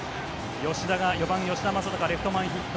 ４番、吉田正尚レフト前ヒット。